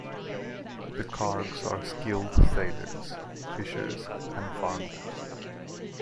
The Kargs are skilled sailors, fishers and farmers.